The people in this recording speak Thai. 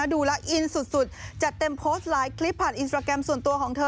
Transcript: ดูแล้วอินสุดจัดเต็มโพสต์หลายคลิปผ่านอินสตราแกรมส่วนตัวของเธอ